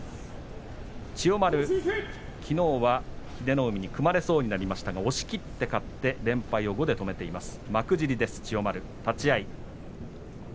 千代丸、きのうは英乃海に組まれそうになりましたが押しきって勝って連敗を５で止めています。